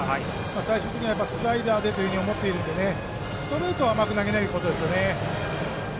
最終的にはスライダーでと思っているので、ストレートは甘く投げないことです。